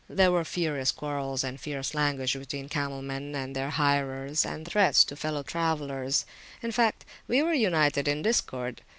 There were furious quarrels and fierce language between camel men and their hirers, and threats to fellow travellers; in fact, we were united in discord.